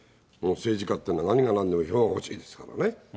政治家っていうのは、何がなんでも票が欲しいですからね。